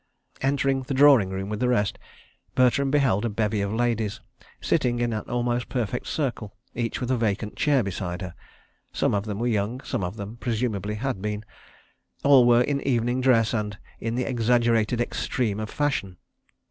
Entering the drawing room with the rest, Bertram beheld a bevy of ladies sitting in an almost perfect circle, each with a vacant chair beside her. Some of them were young, and some of them presumably had been. All were in evening dress and in the exaggerated extreme of fashion.